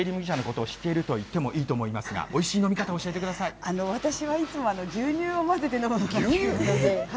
もう世界で一番、手いり麦茶のこと知っているといってもいいと思いますが、おいしい飲み方を私はいつも、牛乳を混ぜて飲